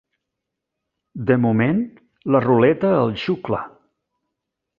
De moment, la ruleta el xucla.